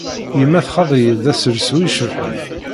Yemma txaḍ-iyi-d aselsu icebḥen.